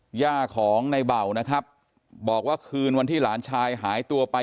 ย่าของในเบานะครับบอกว่าคืนวันที่หลานชายหายตัวไป